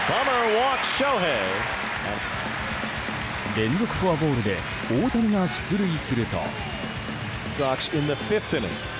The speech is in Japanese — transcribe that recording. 連続フォアボールで大谷が出塁すると。